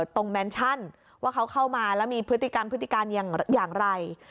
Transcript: แมนชั่นว่าเขาเข้ามาแล้วมีพฤติกรรมพฤติการอย่างไร